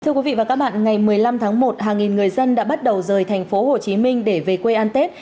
thưa quý vị và các bạn ngày một mươi năm tháng một hàng nghìn người dân đã bắt đầu rời thành phố hồ chí minh để về quê an tết